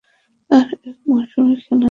আরও এক মৌসুম খেলেন তিনি।